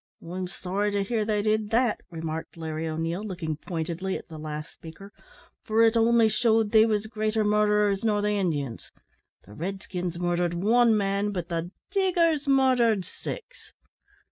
"I'm sorry to hear they did that," remarked Larry O'Neil looking pointedly at the last speaker, "for it only shewed they was greater mortherers nor the Injuns the red skins morthered wan man, but the diggers morthered six.